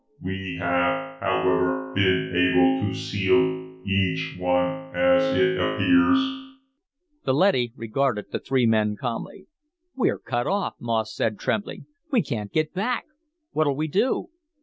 We have, however, been able to seal each new one as it appears." The leady regarded the three men calmly. "We're cut off," Moss said, trembling. "We can't get back. What'll we do?"